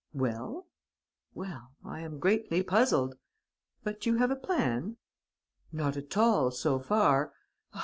"Well?" "Well, I am greatly puzzled." "But you have a plan?" "None at all, so far.